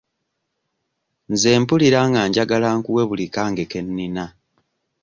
Nze mpulira nga njagala nkuwe buli kange ke nnina.